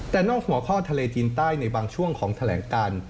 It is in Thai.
แต่นอกหัวข้อทะเลจีนใต้ในบางช่วงของแถลงการ